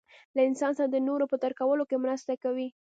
له انسان سره د نورو په درک کولو کې مرسته کوي.